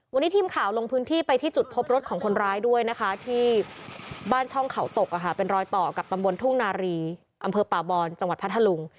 วันนี้ทีมข่าวลงพื้นที่ไปที่จุดพบรถของคนร้ายด้วยนะคะที่บ้านช่องเขาตกเป็นรอยต่อกับตำบลทุ่งนารีอำเภอป่าบอนจังหวัดพัทธลุง